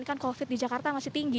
ini adalah peringatan yang sangat tinggi